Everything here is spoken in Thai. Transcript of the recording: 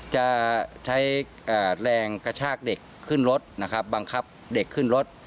จะใช้แรงกระชากเด็กขึ้นรถนะครับบังคับเด็กขึ้นรถ